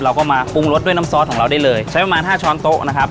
เราก็มาปรุงรสด้วยน้ำซอสของเราได้เลยใช้ประมาณห้าช้อนโต๊ะนะครับ